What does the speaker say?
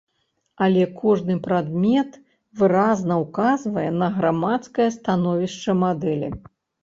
Але кожны прадмет выразна ўказвае на грамадскае становішча мадэлі.